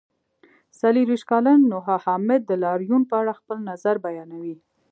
څلرویشت کلن نوحه حامد د لاریون په اړه خپل نظر بیانوي.